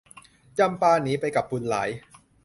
จำปาหนีไปกับบุญหลาย